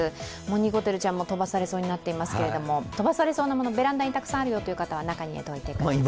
にこてるちゃんも飛ばされそうになってますけど、飛ばされそうなもの、ベランダにたくさんあるという方中に入れておいてください。